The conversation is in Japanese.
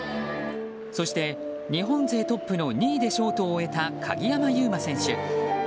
そして、日本勢トップの２位でショートを終えた鍵山優真選手。